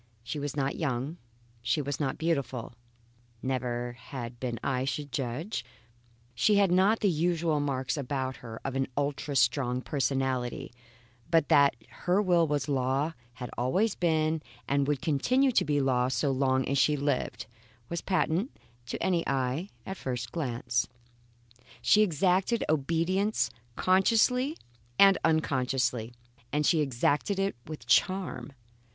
She was not young; she was not beautiful; never had been I should judge, she had not even the usual marks about her of an ultra strong personality; but that her will was law, had always been, and would continue to be law so long as she lived, was patent to any eye at the first glance. She exacted obedience consciously and unconsciously, and she exacted it with charm.